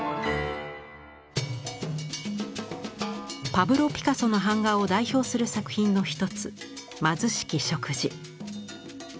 パブロ・ピカソの版画を代表する作品の一つ「貧しき食事」。